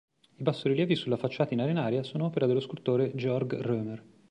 I bassorilievi sulla facciata in arenaria sono opera dello scultore Georg Roemer.